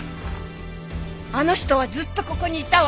あの人はずっとここにいたわ！